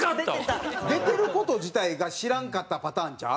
出てる事自体が知らんかったパターンちゃう？